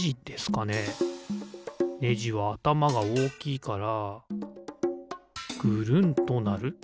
ネジはあたまがおおきいからぐるんとなる。